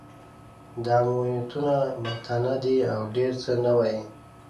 دا عمومیتونه محتاطانه دي، او ډېر څه نه وايي.